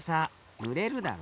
ぬれるだろ。